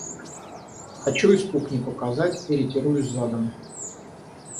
Хочу испуг не показать — и ретируюсь задом.